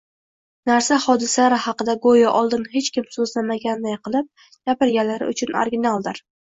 narsa-hodisalar haqida goʻyo oldin hech kim soʻzlamaganday qilib gapirganlari uchun originaldir